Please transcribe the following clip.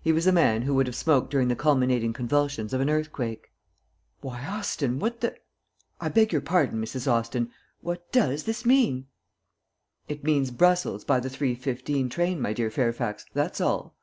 He was a man who would have smoked during the culminating convulsions of an earthquake. "Why, Austin, what the I beg your pardon, Mrs. Austin what does this mean?" "It means Brussels by the three fifteen train, my dear Fairfax, that's all."